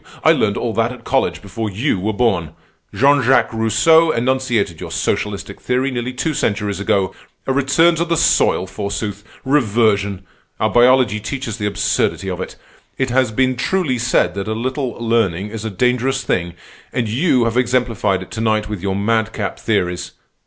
I learned all that at college before you were born. Jean Jacques Rousseau enunciated your socialistic theory nearly two centuries ago. A return to the soil, forsooth! Reversion! Our biology teaches the absurdity of it. It has been truly said that a little learning is a dangerous thing, and you have exemplified it to night with your madcap theories.